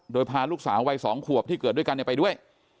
โดยพาลูกสาววัย๒ขวบที่เกิดด้วยกันไปด้วย